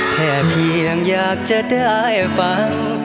เพียงอยากจะได้ฟัง